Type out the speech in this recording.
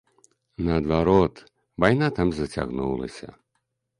Наадварот, вайна там зацягнулася.